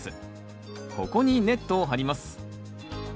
ここにネットを張ります。